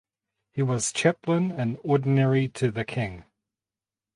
He was Chaplain in Ordinary to the King.